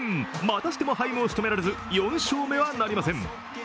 またしてもハイムをしとめられず４勝目はなりません。